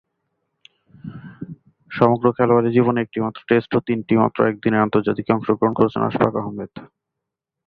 সমগ্র খেলোয়াড়ী জীবনে একটিমাত্র টেস্ট ও তিনটিমাত্র একদিনের আন্তর্জাতিকে অংশগ্রহণ করেছেন আশফাক আহমেদ।